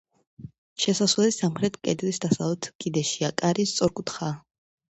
შესასვლელი სამხრეთ კედლის დასავლეთ კიდეშია, კარი სწორკუთხაა.